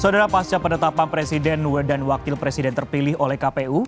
saudara pasca penetapan presiden dan wakil presiden terpilih oleh kpu